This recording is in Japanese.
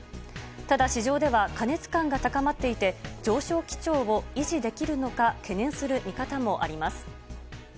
ただ市場では過熱感が高まっていて上昇基調を維持できるのか懸念する見方もあります。